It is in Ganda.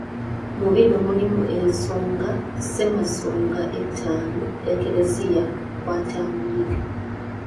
Mu bino mulimu ensonga Ssemasonga ettaano Eklezia kw'atambulira.